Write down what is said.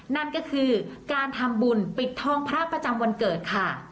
นั่นก็คือการทำบุญปิดทองพระประจำวันเกิดค่ะ